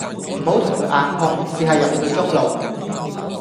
唔好同佢硬碰，試下入佢中路